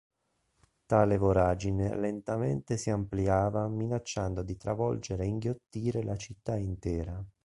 Tale voragine lentamente si ampliava minacciando di travolgere e inghiottire la città intera.